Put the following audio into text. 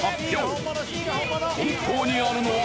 本当にあるのは。